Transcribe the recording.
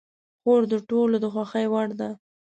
خور د ټولو د خوښې وړ ده.